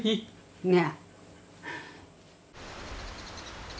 ねえ。